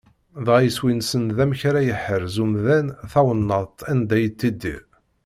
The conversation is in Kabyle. Dɣa, iswi-nsen d amek ara yeḥrez umdan tawennaḍt anda yettidir.